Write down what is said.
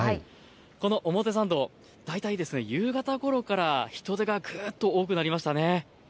この表参道、大体夕方ごろから人出がぐっと多くなりましたね。